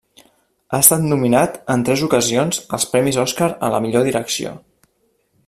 Ha estat nominat en tres ocasions als premis Oscar a la millor direcció.